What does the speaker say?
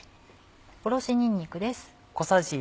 おろしにんにくです。